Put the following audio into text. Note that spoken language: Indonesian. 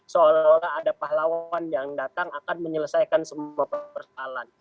seolah olah ada pahlawan yang datang akan menyelesaikan semua persoalan